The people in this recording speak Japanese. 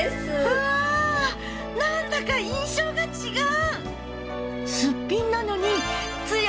わなんだか印象が違う！